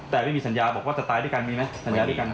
แต่ไม่มีสัญญาบอกว่าจะตายด้วยกันมีไหม